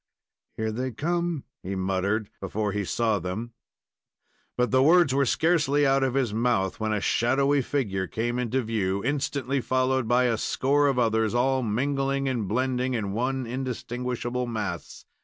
"Here they come," he muttered, before he saw them; but the words were hardly out of his mouth when a shadowy figure came into view, instantly followed by a score of others, all mingling and blending in one indistinguishable mass.